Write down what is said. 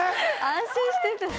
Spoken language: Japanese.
安心してた。